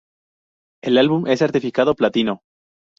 El álbum es certificado Platino.